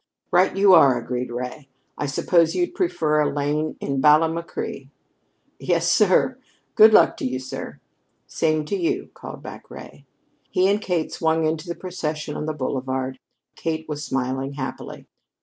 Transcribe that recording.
"Right you are," agreed Ray. "I suppose you'd prefer a lane in Ballamacree?" "Yes, sir. Good luck to you, sir." "Same to you," called back Ray. He and Kate swung into the procession on the boulevard. Kate was smiling happily.